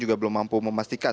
juga belum mampu memastikan